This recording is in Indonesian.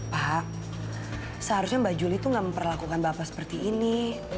pak seharusnya mbak juli itu gak memperlakukan bapak seperti ini